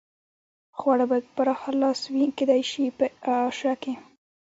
خواړه باید په پراخه لاس وي، کېدای شي په اعاشه کې.